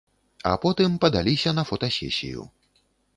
А потым падаліся на фотасесію.